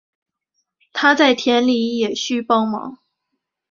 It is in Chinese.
在田里也需帮忙